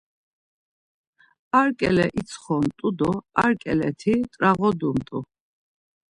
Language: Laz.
Ar ǩele itsxont̆u do ar ǩeleti t̆rağodumt̆u.